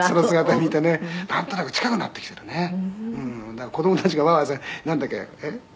「だから子供たちがなんだっけ？えっ？」